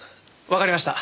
わかりました。